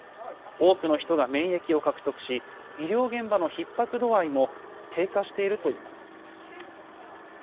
多くの人が免疫を獲得し、医療現場のひっ迫度合いも低下しているといいます。